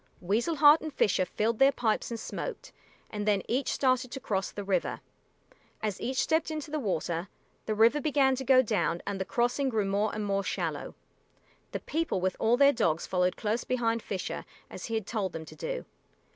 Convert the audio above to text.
Weasel Heart and Fisher filled their pipes and smoked, and then each started to cross the river. As each stepped into the water, the river began to go down and the crossing grew more and more shallow. The people with all their dogs followed close behind Fisher, as he had told them to do.